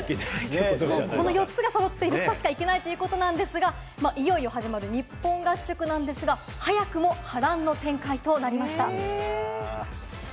この４つが揃った人しか行けないということなんですが、いよいよ始まる日本合宿なんですが、早くも波乱の展開となりました。